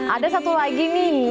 ada satu lagi nih